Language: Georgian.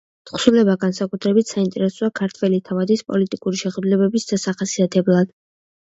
თხზულება განსაკუთრებით საინტერესოა ქართველი თავადის პოლიტიკური შეხედულებების დასახასიათებლად.